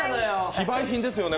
非売品ですよね。